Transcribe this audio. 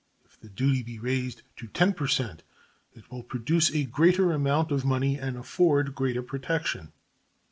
If the duty be raised to 10 per cent, it will produce a greater amount of money and afford greater protection.